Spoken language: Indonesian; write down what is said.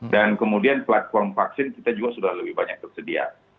dan kemudian platform vaksin kita juga sudah lebih banyak tersedia